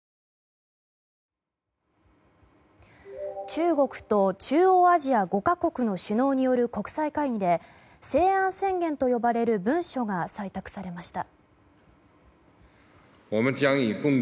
中国と中央アジア５か国の首脳による国際会議で西安宣言と呼ばれる文書が採択されました。